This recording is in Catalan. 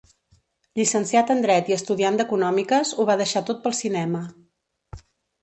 Llicenciat en Dret i estudiant d'Econòmiques ho va deixar tot pel cinema.